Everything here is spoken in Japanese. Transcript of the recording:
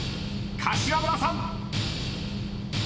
柏原さん］